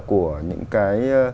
của những cái